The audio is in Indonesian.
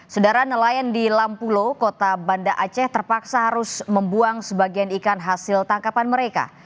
saudara nelayan di lampulo kota banda aceh terpaksa harus membuang sebagian ikan hasil tangkapan mereka